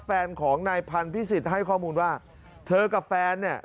แฟนของนายพันธ์พิสิทธิ์ให้ข้อมูลว่าเธอกับแฟนเนี่ย